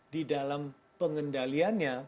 di dalam pengendaliannya